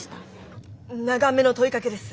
長めの問いかけです。